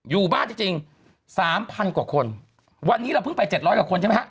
อยู่บ้านจริงจริงสามพันกว่าคนวันนี้เราเพิ่งไปเจ็ดร้อยกว่าคนใช่ไหมฮะ